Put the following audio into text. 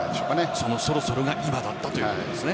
そのそろそろが今だったということですね。